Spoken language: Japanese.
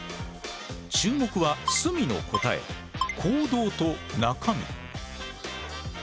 注目は角の答え「行動」と「中身」。